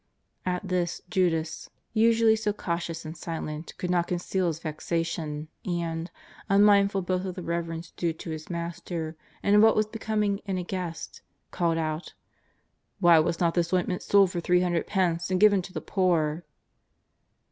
At this Judas, usuallj' 304 JESUS OF NAZARETH. SO cautious and silent, could not conceal his vexation, and, unmindful both of the reverence due to his Mas ter and of what was becoming in a guest, called out :" Why was not this ointment sold for three hundred pence and given to the poor